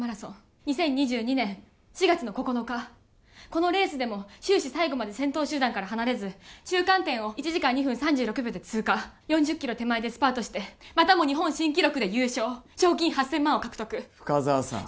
このレースでも終始最後まで先頭集団から離れず中間点を１時間２分３６秒で通過４０キロ手前でスパートしてまたも日本新記録で優勝賞金８０００万を獲得深沢さん